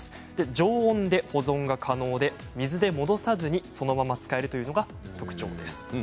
常温で保存が可能で水で戻さずにそのまま使えるというのが特徴です。